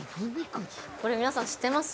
これ、皆さん知ってます？